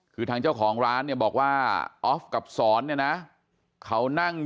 คือทางเจ้าของร้านเนี่ยบอกว่าออฟกับสอนเนี่ยนะเขานั่งอยู่